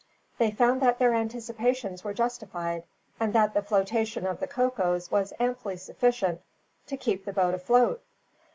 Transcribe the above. They found that their anticipations were justified, and that the flotation of the cocoas was amply sufficient to keep the boat afloat.